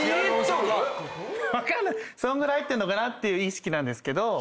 そんぐらい入ってるのかなっていう意識なんですけど。